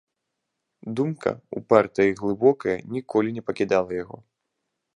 Думка, упартая і глыбокая, ніколі не пакідала яго.